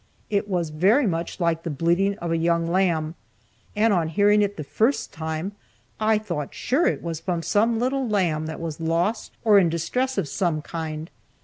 It was very much like the bleating of a young lamb, and, on hearing it the first time, I thought sure it was from some little lamb that was lost, or in distress of some kind.